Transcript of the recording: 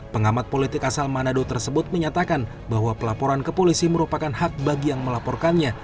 pengamat politik asal manado tersebut menyatakan bahwa pelaporan ke polisi merupakan hak bagi yang melaporkannya